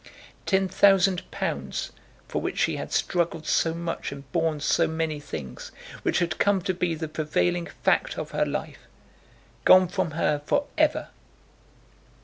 Ten thousand pounds, for which she had struggled so much and borne so many things, which had come to be the prevailing fact of her life, gone from her for ever!